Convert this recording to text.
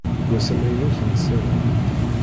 Deg ass amynut nessaram.